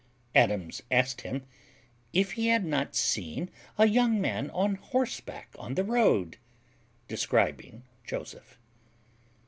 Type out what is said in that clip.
Adams asked him, "If he had not seen a young man on horseback on the road" (describing Joseph).